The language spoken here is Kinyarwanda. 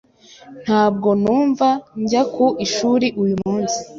Ntabwo numva njya ku ishuri uyu munsi.